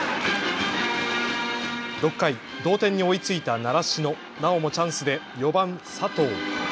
６回、同点に追いついた習志野、なおもチャンスで４番・佐藤。